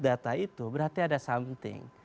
data itu berarti ada something